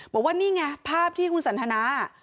บอกว่านี่ไงภาพที่คุณสันทนา